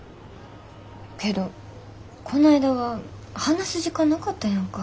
けどこないだは話す時間なかったやんか。